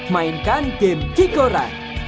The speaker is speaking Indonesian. mainkan game kikoran